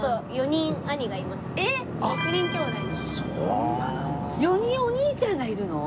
４人お兄ちゃんがいるの？